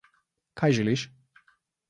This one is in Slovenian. Kaj želiš?